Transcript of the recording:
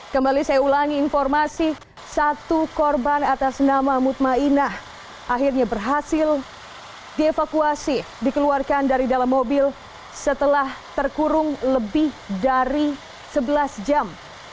kembali saya ulangi informasi satu korban atas nama ⁇ mutmainah akhirnya berhasil dievakuasi dikeluarkan dari dalam mobil setelah terkurung lebih dari sebelas jam